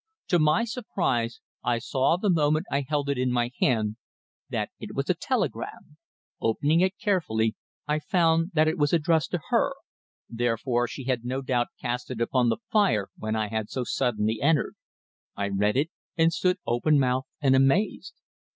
To my surprise I saw the moment I held it in my hand that it was a telegram. Opening it carefully I found that it was addressed to her, therefore she had no doubt cast it upon the fire when I had so suddenly entered. I read it, and stood open mouthed and amazed.